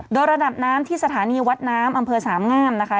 โดยระดับน้ำที่สถานีวัดน้ำอำเภอสามงามนะคะ